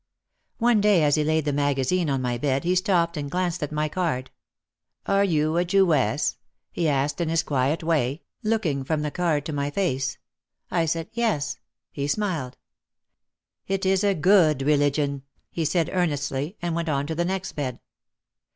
One day as he laid the magazine on my bed he stopped and glanced at my card. "Are you a Jewess?" he asked in his quiet way, look 244 OUT OF THE SHADOW ing from the card to my face. I said, "Yes." He smiled. "It is a good religion," he said earnestly and went on to the next bed.